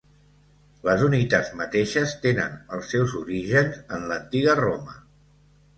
Les unitats mateixes tenen els seus orígens en l'antiga Roma.